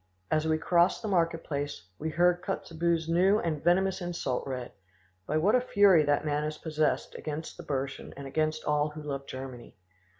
As we crossed the market place we heard Kotzebue's new and venomous insult read. By what a fury that man is possessed against the Burschen and against all who love Germany!"